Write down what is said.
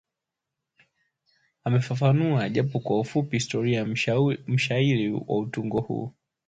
amefafanua japo kwa kifupi historia ya mshairi wa utungo huu